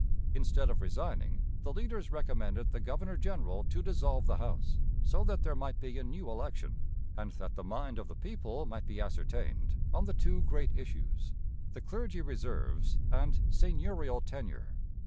Instead of resigning, the leaders recommended the governor general to dissolve the House, so that there might be a new election, and that the mind of the people might be ascertained on the two great issues, the Clergy Reserves and Seigneurial Tenure.